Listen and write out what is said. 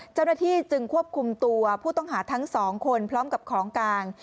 เจ้าหน้าที่จึงควบคุมตัวผู้ต้องหาทั้งสองคนพร้อมกับของกลาง